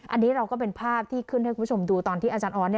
อันนี้เราก็เป็นภาพที่ขึ้นให้คุณผู้ชมดูตอนที่อาจารย์ออส